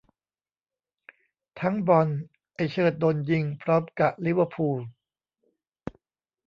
ทั้งบอล ไอ้เชิดโดนยิงพร้อมกะลิเวอร์พูล